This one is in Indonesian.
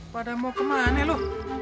padahal mau kemana lu